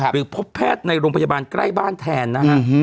หรือพบแพทย์ในโรงพยาบาลใกล้บ้านแทนนะครับ